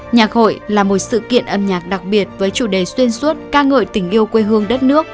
nhạc hội là một sự kiện âm nhạc đặc biệt với chủ đề xuyên suốt ca ngợi tình yêu quê hương đất nước